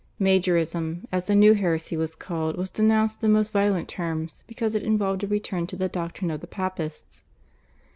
/Majorism/, as the new heresy was called, was denounced in the most violent terms because it involved a return to the doctrine of the Papists.